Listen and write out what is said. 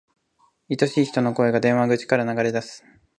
愛しい人の声が、電話口から流れ出す。